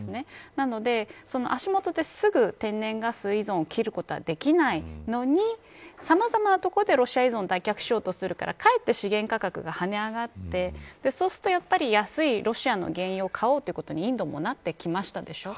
なので足元で、すぐに天然ガス依存を切ることはできないのにさまざまな所でロシア依存を脱却しようとするからかえって資源価格がはね上がってそうすると、安いロシアの原油を買おうということにインドもなってきましたでしょ。